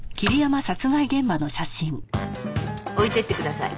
置いていってください